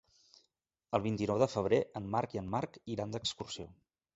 El vint-i-nou de febrer en Marc i en Marc iran d'excursió.